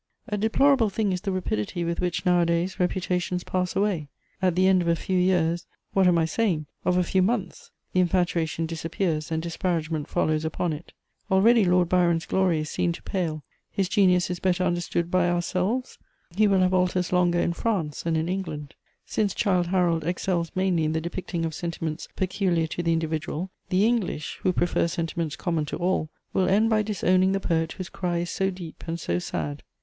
A deplorable thing is the rapidity with which, nowadays, reputations pass away. At the end of a few years what am I saying? of a few months, the infatuation disappears and disparagement follows upon it. Already Lord Byron's glory is seen to pale; his genius is better understood by ourselves; he will have altars longer in France than in England. Since Childe Harold excels mainly in the depicting of sentiments peculiar to the individual, the English, who prefer sentiments common to all, will end by disowning the poet whose cry is so deep and so sad.